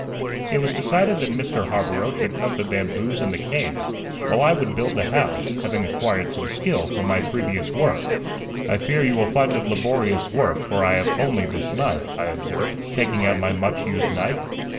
It was decided that Mr. Harborough should cut the bamboos and the canes, while I would build the house, having acquired some skill from my previous work. "I fear you will find it laborious work, for I have only this knife," I observed, taking out my much used knife.